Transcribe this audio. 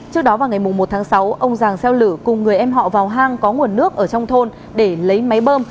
trước đó vào ngày một tháng sáu ông giàng xeo lử cùng người em họ vào hang có nguồn nước ở trong thôn để lấy máy bơm